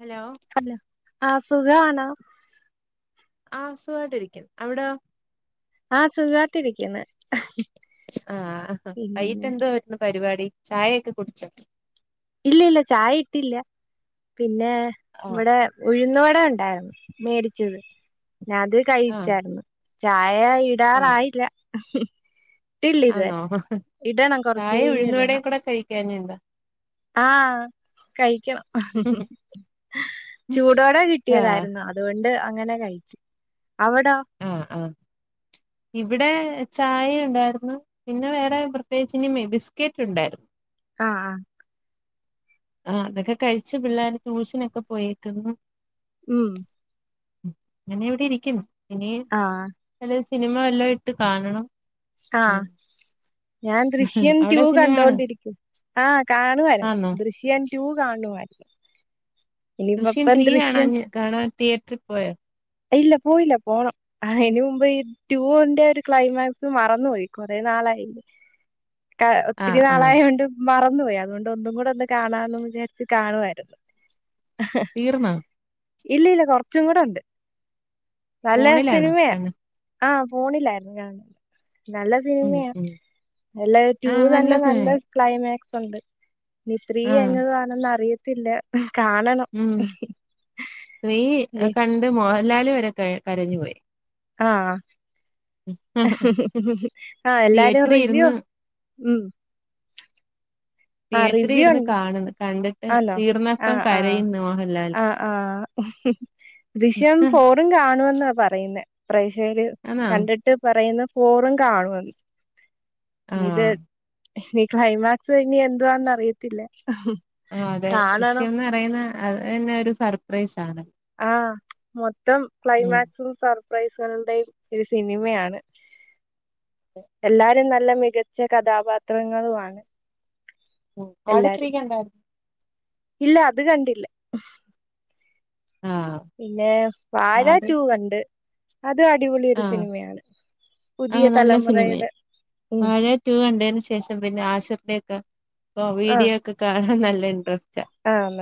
Hello hello ആഹ് സുഖാണോ? ആഹ് സുഖായിട്ടിരിക്കുന്നു, അവിടോ? ആഹ് സുഖായിട്ടിരിക്കുന്നു. ആഹ് വൈകിട്ട് പിന്നെ എന്തോവായിരുന്നു, പരിപാടി ചായയൊക്കെ കുടിച്ചോ? ഇല്ല ഇല്ലല്ലാ ചായ ഇട്ടില്ല, പിന്നെ ആ ഇവിടെ. ഉഴുന്നുവട ഉണ്ടായിരുന്നു, മേടിച്ചത് ഞാൻ അത് ആ കഴിച്ചായിരുന്നു. ചായ ആ ഇടാറായില്ല. ഇട്ടില്ല ഇതുവരെ ആന്നോ ഇടണം കൊറച്ച് കഴിഞ്ഞ് ഇടണം. വിളിക്കാഞ്ഞെന്താ ആഹ് കഴിക്കണം ചൂടോടെ ആ കിട്ടിയതായിരുന്നു അതോണ്ട് അങ്ങനെ കഴിച്ച് അവിടോ ആഹ് ആഹ് ഇവിടെ ചായ ഇണ്ടായിരുന്നു പിന്നെ വേറെ പ്രത്യേകിച്ച് ഇനി ബിസ്ക്കറ്റുണ്ടായിരുന്നു ആഹ് ആഹ് ആഹ് അതൊക്കെ കഴിച്ചു പിള്ളേർ ട്യൂഷനൊക്കെ പോയേക്കുന്നു മ് ങ്ങനെ എവിടെ ഇരിക്കുന്നു ഇനി ആഹ് നല്ലൊരു സിനിമ വല്ലതും ഇട്ട് കാണണം ഉം ആഹ് ഞാൻ ദൃശ്യം ടൂ അവിടെ സിനിമ കാണോ കണ്ടോണ്ടിരിക്കു ആഹ് കാണുവായിരുന്നു ആന്നോ ദൃശ്യം ടൂ കാണുമായിരുന്നു ദൃശ്യം ത്രീ കാണാഞ്ഞ് കണാൻ തിയേറ്ററിൽ പോയോ ഇല്ല പോയില്ല പോണം അയ്ന് മുമ്പ് ഈ ടൂ വിന്റെ ഒരു ക്ലൈമാക്സ് മറന്നുപോയി കൊറെ നാളായി ആ ഒത്തിരി ആ നാളായോണ്ട് മറന്നു പോയി അതുകൊണ്ട് ഒന്നും കൂടെ ഒന്ന് കാണാമെന്ന് വിചാരിച്ച് കാണുവായിരുന്നു ഓഹ് തീർന്ന ഇല്ല ഇല്ല്യ കൊറച്ചുകൂടെ ഉണ്ട് നല്ല ഫോണിലാണോ സിനിമയാ കണ്ണ് ആഹ് ഫോണിലായിരുന്നു കാണുന്ന നല്ല ഉം സിനിമയാ ഉം അല്ല ആ ടൂ തന്നെ നല്ല സിനിമയാ ക്ലൈമാക്സ് ഉണ്ട് ഇനി ത്രീ ആ എങ്ങനാന്ന് അറിയത്തില്ല കണ് ഉം ത്രീ കണ്ട് മോഹൻലാൽ വരെ കരഞ്ഞു പോയി ആഹ് എല്ലാരും തിയേറ്ററിൽ റിവ്യൂ ഇരുന്ന് ഉം ആഹ് തിയേറ്ററിൽ റിവ്യൂ ഇരുന്ന് ഉണ്ട് കാണ്ന്ന് കണ്ടിട്ട് ആന്നോ തീർന്നപ്പം ആഹ് ആഹ് കരയുന്നു മോഹൻലാൽ ആഹ് ആഹ് ദൃശ്യം ഫോറും കാണുമെന്നാ പറയുന്നെ പ്രേശകര് ആണോ കണ്ട്ട്ട് പറയുന്ന ഫോറും കാണും ആ ഇത് ക്ലൈമാക്സ് കഴിഞ്ഞ് എന്തുവാന്ന് അറിയത്തില്ല. ആ അതെ കാണണം ദൃശ്യംന്ന് പറയുന്ന അത് തന്നെ ഒരു സർപ്രൈസാണ്. ആഹ് മൊത്തം ക്ലൈമാക്സും സർപ്രൈസുകൾടേം ഒരു സിനിമയാണ്. എല്ലാരും നല്ല മികച്ച കഥാപാത്രങ്ങളും ആണ്. മ് ആട് ത്രീ കണ്ടാ? ഇല്ല അത് കണ്ടില്ല. ആഹ് പിന്നെ വാഴ ടൂ കണ്ട്. അതും അടിപൊളി ഒര് ആ സിനിമയാണ് ആ പുതിയ തലമുറയുടെ മ് റ്റു കണ്ടേന് ശേഷം പിന്നെ ആഷിർന്റെക്കെ ആഹ് വീഡിയോക്കെ കാണാൻ നല്ല ഇന്റ്റെസ്‌റ്റാ. ആഹ് ന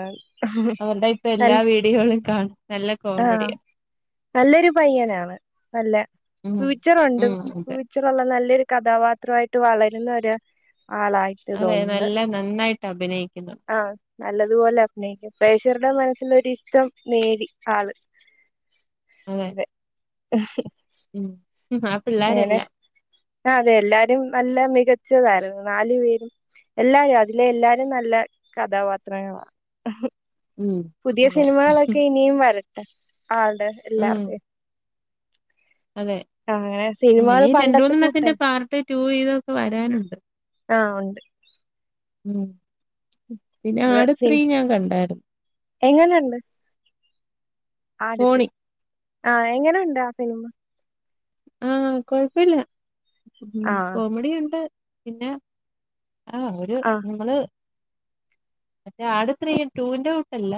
അവര്ടെ ഇപ്പൊ എല്ലാ നല്ല- വീഡിയോകളും കാണും നല്ല ആഹ് കോമഡിയാ. നല്ലൊരു പയ്യനാണ് നല്ല ഉം ഫ്യൂച്ചറൊണ്ട് ഉം ഫ്യൂ അതെ ച്ചറൊള്ള നല്ലൊരു കഥാപാത്രം ആയിട്ട് വളരുന്ന ഒരു ആളായി അതെ നല്ല നന്നായിട്ട് അഭിനയിക്കുന്നു ആഹ് നല്ലതുപോലെ അഭിനയിക്കും പ്രേഷകരുടെ മനസ്സിലൊരിഷ്ടം നേടി ആള് അതെ ഉം അ എങ്ങനെ ആഹ് അതെ എല്ലാരും നല്ല മികച്ചതായിരുന്നു നാലു പേരും. എല്ലാരും അതിലെ എല്ലാരും നല്ല കഥാപാത്രങ്ങളാ. ഉം പുതിയ അതെ സിനിമകളൊക്കെ ഇനിയും വരട്ടെ ആൾടെ ഉം എല്ലാർഡേം. അതെ. അങ്ങനെ സിനിമകൾ ഇനി രണ്ട് പണ്ടത്തെ മൂന്നെണ്ണത്തിന്റെ കൂട്ടല്ല പാർട്ട് ടു ഇതൊക്കെ വരാനുണ്ട്. ആഹ് ഒണ്ട്. ഇം പിന്നെ ആട്ത്രീ ഞാൻ കണ്ടാര്- എങ്ങനണ്ട് ആട് ത്രീ? ഫോണി ആഹ് എങ്ങനെണ്ട് ആ സിനിമ? ആഹ് കൊഴപ്പില്ല ആഹ് കോമഡിയുണ്ട് പിന്നെ ആഹ് ഒര് ആഹ് ഇമ്മള്- മറ്റേ ആട് ത്രീ ടൂവിന്റെ കൂട്ടല്ല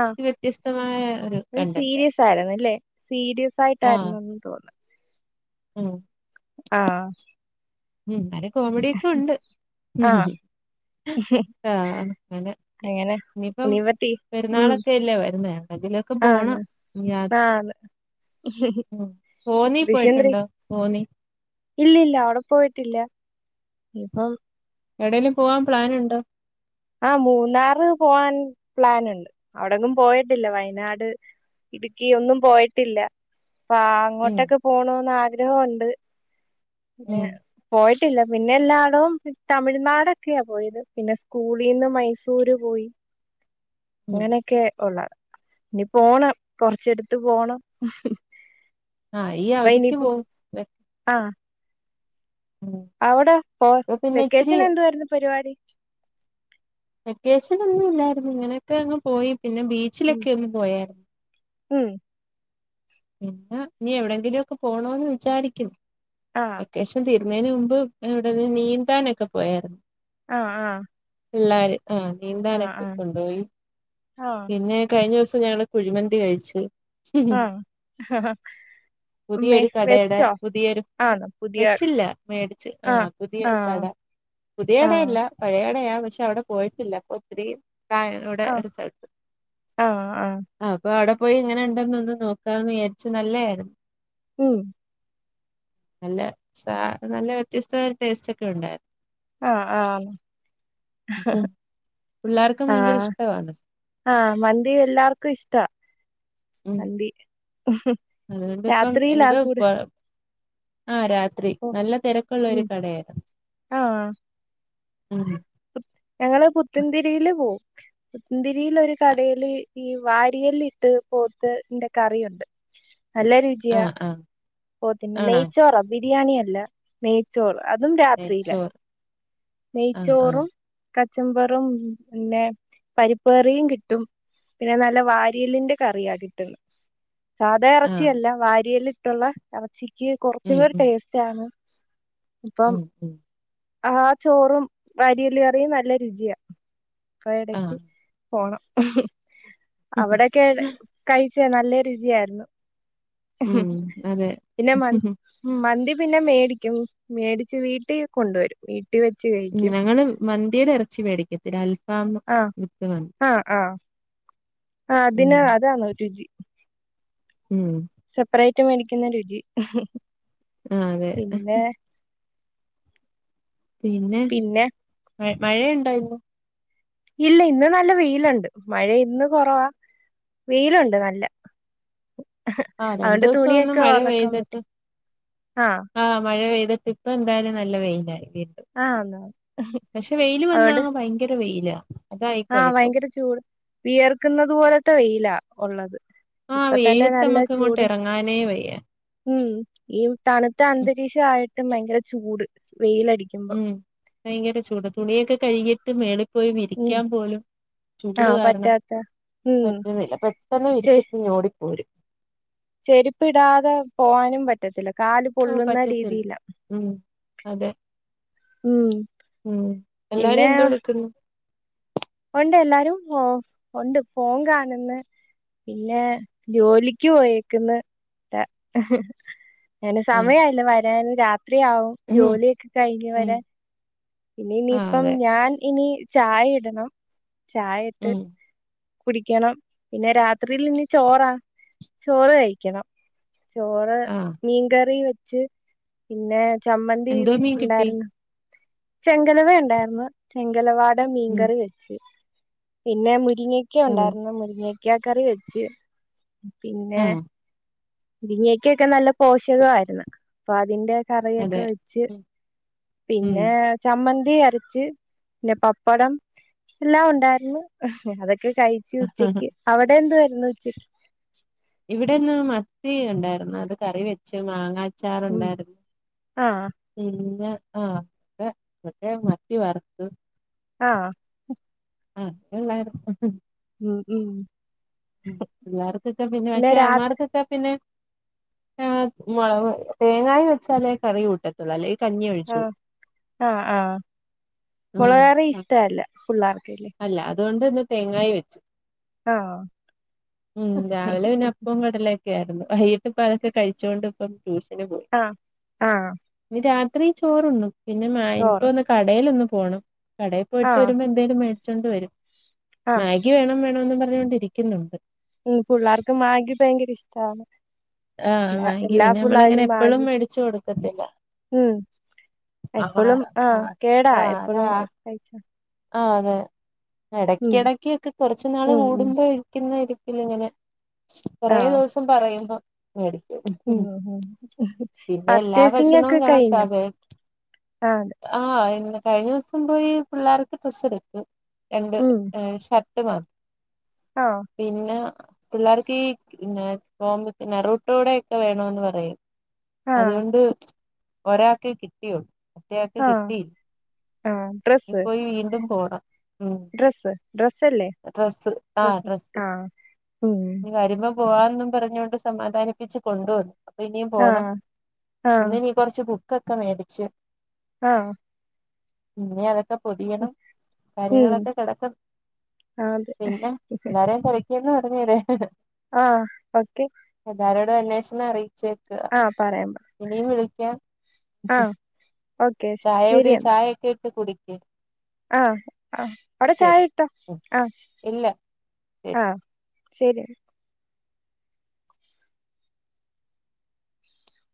ആഹ് ഇച്‌രി വ്യത്യസ്തമായ ഒരു കണ്ടന്റാ. തരണില്ലേ? സി ഡി എഫായിട്ടായിരുന്നെന്ന് തോന്ന്- ഉം ആഹ്. ഉം. നല്ലകോമഡിയൊക്കെ ഉണ്ട് ആഹ് ആഹ് അങ്ങനെ. അങ്ങനെ ഇനിയിപ്പം ഇനി പറ്റി ഉം പെരുന്നാളൊക്കെയല്ലെ വരുന്നെ, അതിലൊക്കെ പോണം. ആന്ന് ഉം ആന്ന് കോന്നീ പൊയ്ട്ട്ണ്ടോ? കോന്നി ഇല്ല ഇല്ല അവടെ പോയിട്ടില്ല. ഇപ്പം എവടേലും പോവാൻ പ്ലാന്ണ്ടോ? ആഹ് മൂന്നാറ് പോവാൻ പ്ലാന്ണ്ട്. അവിടെങ്ങും പോയിട്ടില്ല വയനാട്- ഇടുക്കി ഒന്നും പോയിട്ടില്ല. പ്പാആ ഉം അങ്ങോട്ടൊക്കെ പോണോന്ന് ആഗ്രഹൊണ്ട്. ഉം പിന്നെ- പോയ്ട്ട്ല്ല പിന്നെ എല്ലാടവും തമിഴ്നാടൊക്കെയാ പോയത്. പിന്നെ- കൂളീന്ന് മൈസൂര് പോയി. ഉം അങ്ങനെക്കെ ഒള്ളെ. ഇനി പോണം കൊറച്ചെട്ത്ത് പോണം. ആഹ് ഈ അപ്പ അവധിക്ക് ഇനിയിപ്പ പോവും. വെ- അവടെ പോ ഇപ്പൊ പിന്നെ ഇച്ചിരി വെക്കേഷന് എന്തുവാര്ന്നു പര്വാടി? വെക്കേഷന് ഒന്നും ഇല്ലായ്ര്ന്നു ഇങ്ങനെയൊക്കെ അങ്ങ് പോയി. പിന്നെ ബീച്ചിലൊക്കെ ഒന്ന് പോയാര്- ഇമ്. പിന്നെ നിഎവിടെങ്കിലും ഒക്കെ പോണോന്ന് വിചാരിക്കും. ആ വെക്കേഷൻ തീരുന്നതിന് മുമ്പ് ഇവിടെന്ന് നീന്താനൊക്കെ പോയായിരുന്നു. ആഹ് ആഹ് പിള്ളേർ ആഹ നീന്താനൊക്കെ കൊണ്ടുപോയി ആഹ് പിന്നെ കഴിഞ്ഞ ദിവസം ഞങ്ങള് കുഴിമന്തി കഴിച്ചു ആഹ് പുതിയൊരു കടയുടെ പുതിയൊരു ആണോ പുതിയ വെച്ചില്ല മേടിച്ച് ആ ആഹ് പുതിയ ആ കട പുതിയ ആ കടയല്ല പഴയടയാ പക്ഷെ അവിടെ പോയിട്ടില്ല അപ്പൊ ഒത്തിരിയും ഇവിടെറിസ് ആഹ ആഹ് ആ് അപ്പൊ അവിടെ പോയി ഇങ്ങനെ ഉണ്ടെന്ന്ൊന്ന് നോക്കാന്ന് വിചാരിച്ചു നല്ലതായിരുന്നു. ഉം നല്ല സ നല്ല വ്യത്യസ്ത ഒരു ടേസ്റ്റ് ഒക്കെ ആ ആ ഉണ്ടായിരുന്നു. പിള്ളേർക്കും ഭയങ്കര ഇഷ്ടാണ് ആഹ് മന്തി എല്ലാർക്കും ഇഷ്ട മന്തി അതുകൊണ്ട്ിപ്പം രാത്രിയിലാ എന്താ കൂടെ ആ രാത് രാത്രി ഓ നല്ല തിരക്കുള്ള ഒരു ഉം കടയായിരുന്നു ആ ഞങ്ങള് പുത്തന്തിരിയില് പോവും പുത്തൻന്തിരിയിലൊ ഒരു കടൽ ഈ വാരിയല്ല ഇട്ട് പോത്ത് ഇന്റെ കറിയുണ്ട് നല്ല രുചി ആഹ് ആഹ് ന്നെ നെയ്ച്ചോറാ ബിരിയാണിയ- അല്ല നെയ്ച്ചോറ് അതും രാത്രിയില. നെയ്ച്ചോറ് ആ ആ നെയ്ച്ചോറും, കച്ചമ്പറും പിന്നെ, പരിപ്പേറിയും കിട്ടും. പിന്നെ നല്ല വാരിയലിന്റെ കറിയ കിട്ടുന്നത്- സാധാ ആ ഇറച്ചിയല്ല വാരിയല ഇട്ടുള്ള- ഇറച്ചിക്ക് ഉം കുറച്ച്കൂടി ഉം ടേസ്റ്റ് ആണ്. ഇപ്പം ഉം ഉം.. ആ ചോറും വാരില കറിയും നല്ല രുചിയാ. ആ ആഹ് ഇടക്ക്- പോണം അവിടെക്കെ കഴിച്ച നല്ല- രീതിയായിരുന്നു. ഉം അതെ പിന്നെ മ- ഉ മന്തി പിന്നെ മേടിക്കും മേടിച്ച്- വീട്ടിൽ കൊണ്ടുവരും. വീട്ടിൽ വെച്ച് കഴി- ഉ ഞങ്ങൾ മന്തിയുടെ ഇറച്ചി- മേടിക്കത്തില്ല, അൽഫാം വിത്തു മന്തി. ആഹ ആ ആ ഉം അതിന് അതാണ് രുചി. ഉം. സെപ്പറേറ്റ് മേടിക്കുന്ന രുചി. ആ അതെ. പിന്നെ പിന്നെ മഴയുണ്ടോന്ന് ഇന്ന്? ഇല്ല ഇന്ന് നല്ല വെയിലുണ്ട് മഴ ഇന്ന് കൊറവാ. വെയിലുണ്ട് നല്ല. ആഹ് രണ്ടു അതോണ്ട് ദിവസം ഒന്ന് തുണിയൊക്കെ- മഴ ഓർക്കാൻ പെയ്തിട്ട് പറ്റും ആഹ. ആഹ് മഴ പെയ്തിട്ട് ഇപ്പ- എന്തായാലും നല്ല വെയിലായി. ആഹ് പക്ഷെ വെയില് വന്നാ ഭയങ്കര വെയിലാ. അതായി ആഹ കുഴപ്പം ഭയങ്കര ചൂട് വിയർക്കുന്നത്- പോലത്തെ വെയിലാ ഉള്ളത്. ആഹ് ഇപ്പോ തന്നെ വെയിലത്ത് നല്ല നമുക്ക് അങ്ങോട്ട് ചൂട് ഇറങ്ങാനേ വയ്യ ഉം. ഈ തണുത്ത അന്തരീക്ഷയിട്ട്- ഭയങ്കര ചൂട് വെയിലടിക്കും. ഉം ഭയങ്കര ചൂട തുണിയൊക്കെ കഴുകിട്ട് മേലാ - പോയി ഉം വിരിക്കാൻ പോലും ചൂട് ആഹ് കാരണം. പറ്റാത്ത ഉം പറ്റുന്നില്ല പെട്ടെന്ന് വിരിച്ചിട്ട്- ഓടിപ്പോരും. ചെരുപ്പ ഇടാതെ പോവാനും പറ്റില്ല. പറ്റത്തില്ല, കാല് ഓ പൊള്ളുന്ന പറ്റത്തില്ല രീതില്ല. ഉം അതെ ഉം ഉം എല്ലാരും പിന്നെ. എന്തോ എടുക്കുന്നു ഉണ്ട് എല്ലാരും ഉണ്ട്. ഫോൺ കാണുന്ന. പിന്നെ ജോലിക്ക് പോയക്കന്ന്. അങ്ങനെ ആഹ് സമയല്ല വരാന്- രാത്രിയാവും, ഉം ജോലിയൊക്കെ കഴിഞ്ഞ് ഉം വരാൻ. ഇനി ആ ഇനിയിപ്പം അതെ ഞാൻ ഇനി ചായ ഇടണം. ചായ ഉം ഇട്ട്- കുടിക്കണം. പിന്നെ രാത്രിൽ ഇനി ചോറാ, ചോറ് കഴിക്കണം. ചോറ് ആഹ് മീൻകറി വെച്ച്, പിന്നെ ചമ്മന്തി എന്തോ മീൻ കിട്ടി ഉണ്ടായിരുന്നു. ചെങ്കലവ ഉണ്ടായിരുന്നു, ചെങ്കലവാടെ ഉം മീൻകറി വെച്ച്, പിന്നെ മുരിങ്ങ- ഒക്കെ ഉം ഉണ്ടായിരുന്നു മുരിങ്ങക്ക- കറി വെച്ച് പിന്നെ, ആഹ് മൂരിങ്ങക്കൊക്കെ നല്ല പോഷകമായിരുന്നു. അപ്പോ അതിന്റെ കറയൊക്കെ അതെ വെച്ച്. ഉം പിന്നെ ചമ്മന്തി അരച്ച് പിന്നെ പപ്പടം- എല്ലാം ഉണ്ടായിരുന്നു, അതൊക്കെ കഴച്ച് ഉച്ചക്ക്. അവിടെ എന്തു വരുന്നു ഉച്ചക്ക്? ഇവിടെന്ന് മത്തി ഉണ്ടായിരുന്നു, അത് കറി വെച്ച് മാങ്ങ- ഉം അച്ചാറുണ്ടായിരുന്നു. ആഹ് പിന്നെ ആക്ക ഒക്കെ മത്തി വറത്തു. ആഹ. ആഹ് എള്ളും. ഉം ഉം. ഉ പില്ലാർക്കൊക്കെ പിന്നെ, പക്ഷേ അമാർക്കൊക്കാ പിന്നെ- ആ മുള, തേങ്ങായി വെച്ചാലേ കറി കൂട്ട- ളല്ലേ കഞ്ഞിയ് ആഹ് ആഹ് ആഹ് ഉം പൊള്ളേറി ഇഷ്ടല്ല പിള്ളേർക്കല്ലെ അല്ല അതുകൊണ്ട് ഇന്ന് തെങ്ങായി വെച്ചു ആഹ് ഉം രാവിലെ പിന്നെ അപ്പും കടല ക്കെയായിരുന്നു വൈഹിട്ട് ഇപ്പൊ അതക്കെ കഴിച്ചുകൊണ്ട് ഇപ്പം ട്യൂഷന് പോയി അഹ് ആഹ് ഞ്ഞി രാത്രി ചോറൊണ്ണും ണു പിന്നെ മ ഇപ്പ ചോറ് ഒന്ന് കടേലോന്ന് പോണം കടേ പോയിട്ട് ആഹ് വരുമ്പോ ന്തേലു മേടിച്ചോണ്ട് വരും ആ മാഗി വേണം വേണോന്ന് പറഞ്ഞൊണ്ടിരിക്കുന്നുണ്ട് ഉം പിള്ളേർക്ക് മാഗി ഭയങ്കര ഇഷ്ടാ ആഹ് മാഗി പിന്നെ നമ്മളങ്ങനെ എപ്പളും മാഗി മേടിച്ചു കൊടുക്കത്തില്ല ഉം എപ്പളും [unintelligible] ആഹ് കേടാ എപ്പളും കഴിച്ച ആഹ് അതെ ഉം ഇടക്കടക്ക്ക്കെ കുറച്ചു നാള് ഉം ഉം കൂടുമ്പോ ഇരിക്കുന്ന ഇരു ഇല്ലങ്ങനെ കൊറേ ആഹ് ദിവസം പറയുമ്പോ ഉം മേടിക്കും ഉം പിന്നെ എല്ലാ ഭക്ഷണവും പർച്ചേസിംങൊക്കെ കഴിഞ്ഞോ ആഹ് അതെ ആഹ് ഇന്ന് കഴിഞ്ഞോസം പോയി പിള്ളേർക്ക് ഡ്രസ്സ് എടുത്തു രണ്ട് ഉം ഷർ ട്ട് മാ ആഹ് പിന്നെ പിള്ളേർക്ക് ഈ ന്നേ കോ നെറൂട്ടോടെയൊക്കെ വേണോന്ന് പറയും ആഹ് അതുകൊണ്ട് ഒരാക്കേ കിട്ടിയുള്ളൂ റ്റെയാക്ക് ആഹ് കിട്ടി ആഹ് ഡ്രസ്സ് പോയി വീണ്ടും പോണം ഉം ഡ്രസ്സ് ഡ്രസ്സല്ലേ ഡ്രസ് ആഹ് ഡ്രസ്സ് ഡ്രസ് ആഹ് ഉം ഞ് വരുമ്പം പോവാന്നും പറഞ്ഞൊണ്ട് സമാധാനിപ്പിച്ച് കൊണ്ടുവന്നു അപ്പൊ ഇനിയും പോണം ആഹ് ആഹ് ഇന്നലിം കുറച്ച് ബുക്കൊക്കെ മേടിച് ആഹ് ഞ് അതെ ക്കെ പൊതിയണം ഉം കാര്യങ്ങളൊക്കെ കിടക്കുന്നു അതെ പിന്നെ എല്ലരെയും [unintelligible] എന്ന് പറഞ്ഞരെ ആഹ് ഓക്കെ എല്ലാരോടും അന്വേഷണം അറിയിച്ചേക്ക ആഹ് പറയാം പറയാം ഇനിയും വിളിക്കാം ആഹ് ഓക്കെ ശരി ചായകുടി എന്നാ ചായയൊക്കെ ഇട്ട് കുടിക്കും ആഹ് ആഹ് അവിടെ ചായ ഇട്ടോ ആഹ് ഇല്ല ആഹ് ശരി [inaudible]